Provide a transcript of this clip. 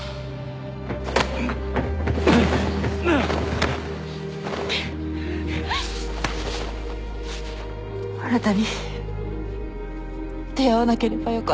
あなたに出会わなければよかった。